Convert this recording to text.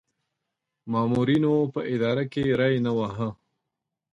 مامورینو په اداره کې ری نه واهه.